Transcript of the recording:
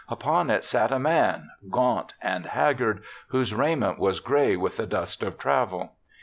Upon it sat a man, gaunt and haggard, whose raiment was gray with the dust of travel.